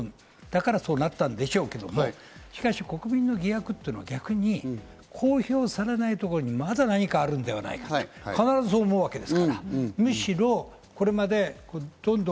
だからそうなったんでしょうけど、逆に国民の疑惑は、公表されないところにまだ何かあるんじゃないかとそう思うわけですから。